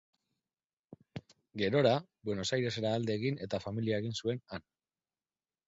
Gerora, Buenos Airesera alde egin eta familia egin zuen han.